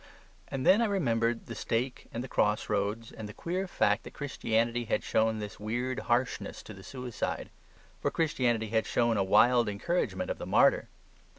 And then I remembered the stake and the cross roads, and the queer fact that Christianity had shown this weird harshness to the suicide. For Christianity had shown a wild encouragement of the martyr.